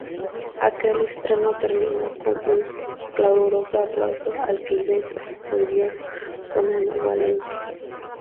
Aquel estreno terminó con un caluroso aplauso al que Ives respondió con ambivalencia.